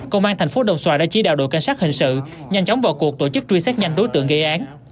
công an tp đồng xoài đã chỉ đạo đội canh sát hình sự nhanh chóng vào cuộc tổ chức truy xét nhanh đối tượng gây án